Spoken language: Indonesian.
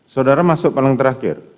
saudara masuk paling terakhir